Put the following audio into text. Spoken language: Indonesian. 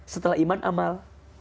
setelah iman amal